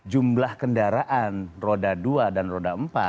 jumlah kendaraan roda dua dan roda empat